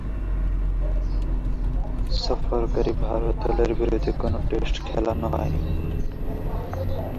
সফরকারী ভারত দলের বিপক্ষে কোন টেস্টে খেলানো হয়নি।